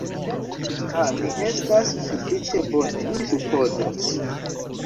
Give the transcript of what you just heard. Ha, mi estas sufiĉe bone, mi supozas.